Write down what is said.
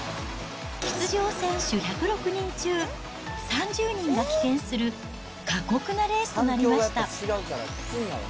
出場選手１０６人中、３０人が棄権する過酷なレースとなりました。